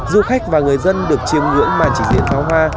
du khách và người dân được chiêm ngưỡng màn trình diễn pháo hoa